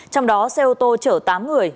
trong đó xe ô tô chở tám người